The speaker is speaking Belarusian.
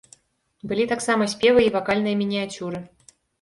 Былі таксама спевы і вакальныя мініяцюры.